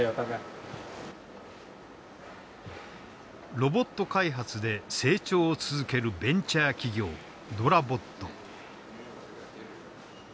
ロボット開発で成長を続けるベンチャー企業ｄｏｒａｂｏｔ。